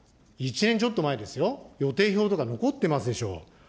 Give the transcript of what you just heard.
１年ちょっと前ですよ、予定表とか残ってますでしょ。